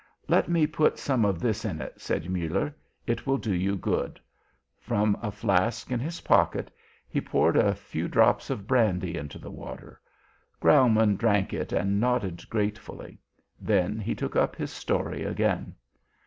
"Let me put some of this in it," said Muller. "It will do you good." From a flask in his pocket he poured a few drops of brandy into the water. Graumann drank it and nodded gratefully. Then he took up his story again.